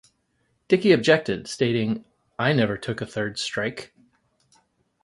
Dickey objected, stating I never took a third strike.